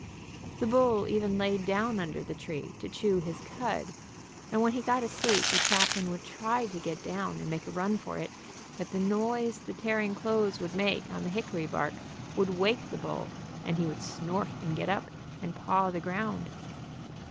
The bull even laid down under the tree to chew his cud, and when he got asleep the chaplain would try to get down and make a run for it, but the noise the tearing clothes would make on the hick ory bark would wake the bull, and he would snort, and get up. and paw the ground.